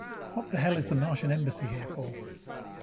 _What the hell is the Martian Embassy here for?